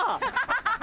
ハハハ！